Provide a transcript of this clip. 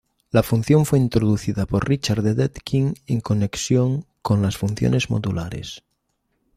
La función fue introducida por Richard Dedekind en conexión con las funciones modulares.